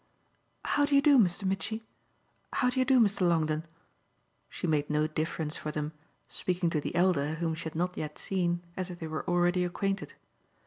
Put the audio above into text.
"How do you do, Mr. Mitchy? How do you do, Mr. Longdon?" She made no difference for them, speaking to the elder, whom she had not yet seen, as if they were already acquainted.